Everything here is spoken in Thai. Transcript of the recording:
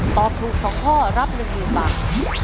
ตอบถูก๒ข้อรับ๑๐๐๐บาท